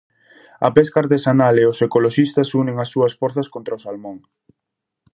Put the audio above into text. A pesca artesanal e os ecoloxistas unen as súas forzas contra o salmón.